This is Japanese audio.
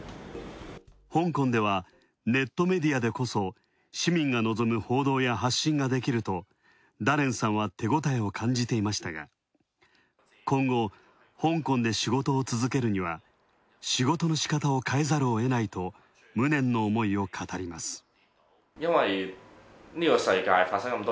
香港では、ネットメディアでこそ市民が望む報道や発信ができるとダレンさんは手ごたえを感じていましたが、今後、香港で仕事を続けるには仕事のしかたを変えざるを得ないと無念の思いを語ります。